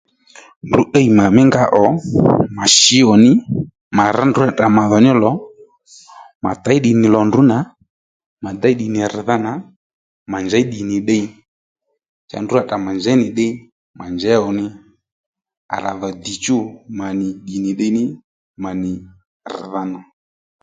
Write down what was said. Ndrǔ îy mà mí nga ò mà shǐwò nì mà rř ndrǔ nì tdrǎ mà dhò ní lò mà těy ddì nì lò ndrǔ nà mà déy ddì nì rr̀dha nà mà njěy ddì nì ddíy cha ndrǔ rà tdrà mà njěy nì ddiy mà njěwò ní à rà dhò dìchú mà nì ddì nì ddiy ní mà nì rr̀dha nà